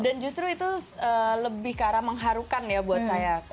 dan justru itu lebih ke arah mengharukan ya buat saya